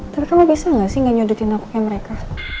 tapi kamu bisa gak sih gak nyodotin aku kayak mereka